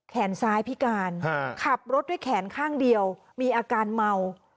แขนซ้ายพิการขับรถด้วยแขนข้างเดียวมีอาการเมา